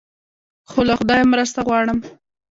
خو له خدایه مرسته غواړم.